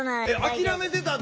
諦めてたってこと？